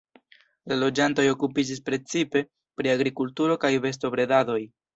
La loĝantoj okupiĝis precipe pri agrikulturo kaj bestobredadoj.